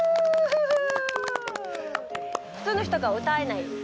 普通の人が歌えない